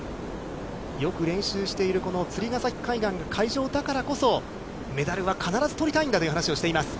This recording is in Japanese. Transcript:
よく練習しているこの釣ヶ埼海岸が会場だからこそ、メダルは必ずとりたいんだという話をしています。